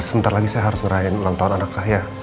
sebentar lagi saya harus ngerahin lantauan anak saya